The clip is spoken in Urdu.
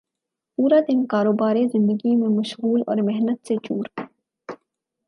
پورا دن کاروبار زندگی میں مشغول اور محنت سے چور